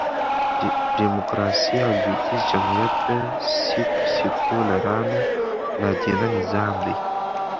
ډيموکراسي او لوېدیځ جمهوریت د سیکولرانو لا دینه نظام دئ.